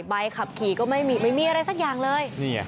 ใบขับขี่ก็ไม่มีอะไรสักอย่างเลย